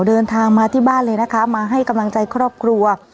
เดินทางมาที่บ้านเลยนะคะมาให้กำลังใจครอบครัว